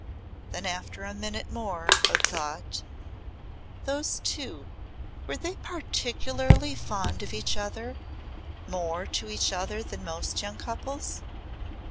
Then after a minute more of thought, "Those two were they particularly fond of each other more to each other than most young couples?"